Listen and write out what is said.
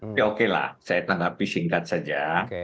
tapi oke lah saya tanggapi singkat saja